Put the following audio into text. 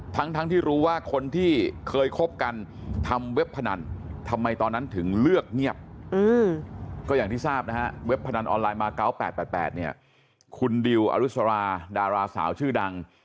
ทั้งที่รู้ว่าคนที่เคยคบกันทำเว็บพนัน